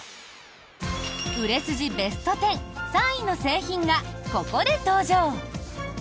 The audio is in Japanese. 売れ筋ベスト１０３位の製品がここで登場。